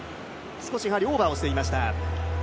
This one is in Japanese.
少しオーバーしていました。